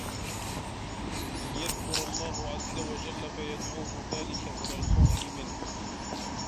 أَنْ يَذْكُرَ اللَّهَ عَزَّ وَجَلَّ فَيَدْعُوهُ ذَلِكَ إلَى الْخَوْفِ مِنْهُ